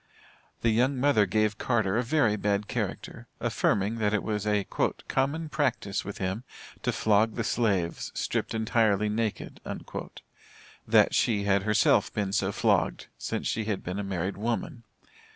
The young mother gave Carter a very bad character, affirming, that it was a "common practice with him to flog the slaves, stripped entirely naked" that she had herself been so flogged, since she had been a married woman.